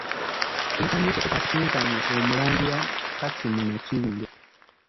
Sultan we Sokoto asisinkanye Omulangira Kassim Nakibinge.